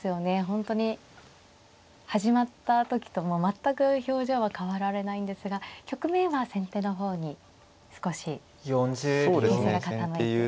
本当に始まった時と全く表情は変わられないんですが局面は先手の方に少し形勢が傾いて。